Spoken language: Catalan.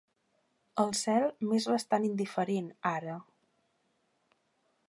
El cel m'és bastant indiferent, ara.